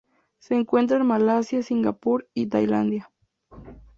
Se encuentra en Malasia, Singapur y Tailandia.